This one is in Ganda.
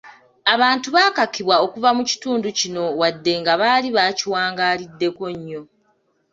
Abantu baakakibwa okuva mu kitundu kino wadde nga baali bakiwangaaliddeko nnyo.